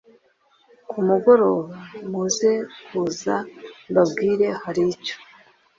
kumugoroba muze kuza mbabwire hari icyo